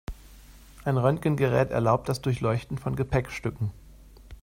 Ein Röntgengerät erlaubt das Durchleuchten von Gepäckstücken.